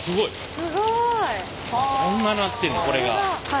すごい。